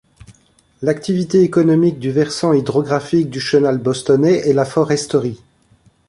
L’activité économique du versant hydrographique du Chenal Bostonnais est la foresterie.